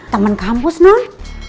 temen kampus non